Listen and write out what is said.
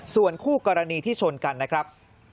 ส่วนคู่กรณีที่ชนกันนะครับ